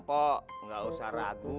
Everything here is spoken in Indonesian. pak gak usah ragu